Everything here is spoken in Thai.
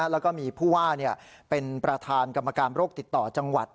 แล้วก็มีผู้ว่าเป็นประธานกรรมการโรคติดต่อจังหวัด